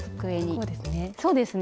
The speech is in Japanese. こうですね。